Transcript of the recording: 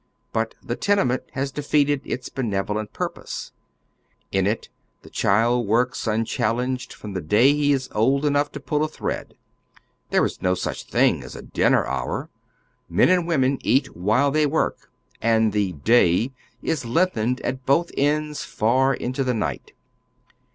But the tenement has defeated its benevolent purpose. In it the child works unchallenged from the day he is old enough to pull a thread. There is no such thing as a dinner hour ; men and women eat while they work, and the " day " is lengthened at both ends far oy Google 134 HOW THE OTHER HALF LIVES. into the night.